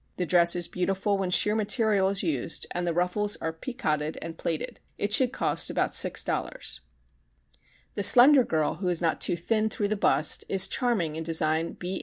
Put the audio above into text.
This dress is beautiful when sheer material is used and the ruffles are picoted and plaited. It should cost about $6.00. The slender girl who is not too thin through the bust is charming in design B 833.